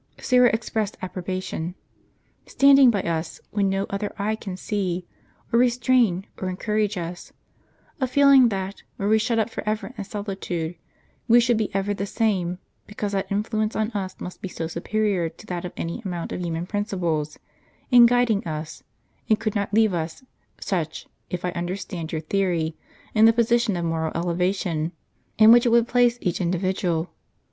(Syra expressed approbation,) " standing by us when no other eye can see, or restrain, or encourage us ; a feeling that, were we shut up forever in solitude, we should be ever the same, because that influence on us must be so superior to that of any amount of human principles, in guiding us, and could not leave us; such, if I understand your theory, is the position of moral elevation, in which it would place each individual.